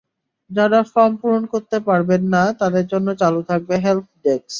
যাঁরা ফরম পূরণ করতে পারবেন না, তাঁদের জন্য চালু থাকবে হেল্প ডেস্ক।